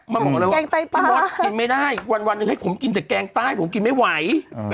มันแกงไต้ปลาพี่หมอธกินไม่ได้คนคนวันวันนึงผมกินแต่แกงไต้ผมกินไม่ไหว